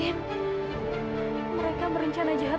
mereka merencana jahat